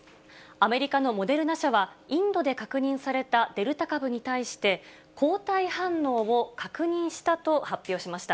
アメリカのモデルナ社は、インドで確認されたデルタ株に対して、抗体反応を確認したと発表しました。